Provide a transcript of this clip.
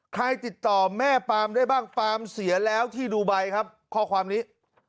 ติดต่อแม่ปามได้บ้างปาล์มเสียแล้วที่ดูไบครับข้อความนี้